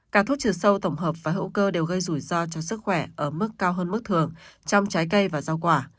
cả thuốc trừ sâu tổng hợp và hữu cơ đều gây rủi ro cho sức khỏe ở mức cao hơn mức thường trong trái cây và rau quả